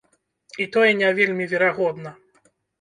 І тое не вельмі верагодна.